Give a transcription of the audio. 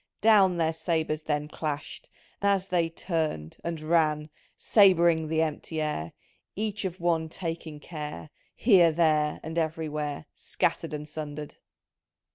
" Down their sabres then Clashed, as they turn'd — and ran — Sab'ring the empty air, Each of one taking care, Here, there, and everywhere Scattered and sundered.